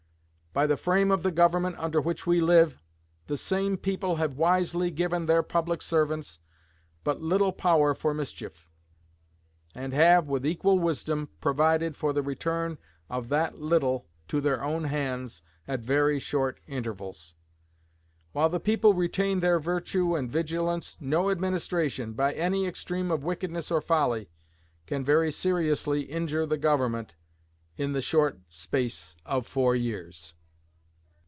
By the frame of the Government under which we live, the same people have wisely given their public servants but little power for mischief; and have, with equal wisdom, provided for the return of that little to their own hands at very short intervals. While the people retain their virtue and vigilance, no administration, by any extreme of wickedness or folly, can very seriously injure the Government in the short space of four years.